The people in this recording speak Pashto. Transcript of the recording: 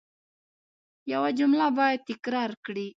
یو جمله باید تکرار کړئ.